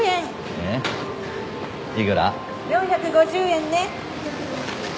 ４５０円ね。